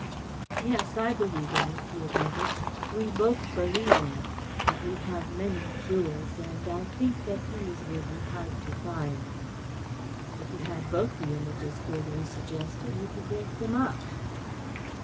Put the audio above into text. "Yes, I believe in it," he admitted. "We both believe in it, but we have many jewels and I think that these will be hard to find." "If you had both the Images," Gregory suggested, "you could break them up."